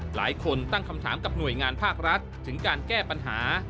หลายคนตั้งคำถามกับหน่วยงานภาครัฐถึงการแก้ปัญหา